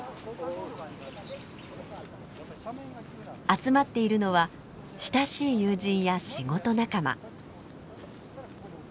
集まっているのは親しい友人や仕事仲間。